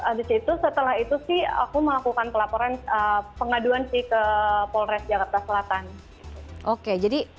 abis itu setelah itu sih aku melakukan pelaporan pengaduan sih ke polres jakarta selatan oke jadi